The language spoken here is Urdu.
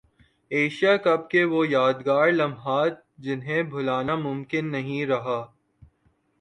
ایشیا کپ کے وہ یادگار لمحات جنہیں بھلانا ممکن نہیں رہا